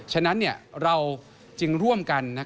ฉะนั้นเราจึงร่วมกัน